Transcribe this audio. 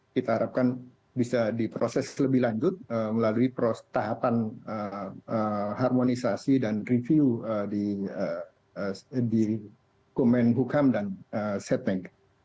kita harapkan bisa diproses lebih lanjut melalui tahapan harmonisasi dan review di kemenhukam dan setnek